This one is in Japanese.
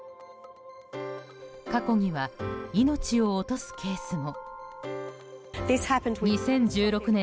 過去には命を落とすケースも。